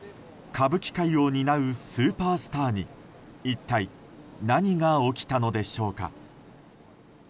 歌舞伎界を担うスーパースターに一体、何が起きたのでしょうか？